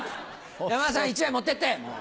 山田さん１枚持ってってもう。